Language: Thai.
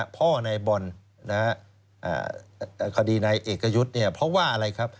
พ่อในบ่นคดีนายเอกยุทธ์เพราะว่าอะไรครับ